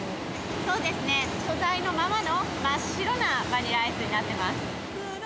そうですね、素材のままの真っ白なバニラアイスになってます。